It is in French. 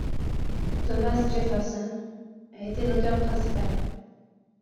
Thomas Jefferson a été l'auteur principal.